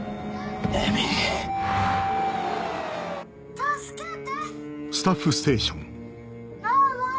助けて！